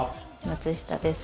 松下です